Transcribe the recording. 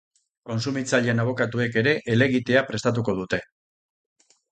Kontsumitzaileen abokatuek ere helegitea prestatuko dute.